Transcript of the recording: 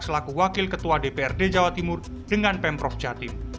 selaku wakil ketua dprd jawa timur dengan pemprov jatim